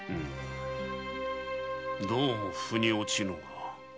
どうも腑に落ちぬな。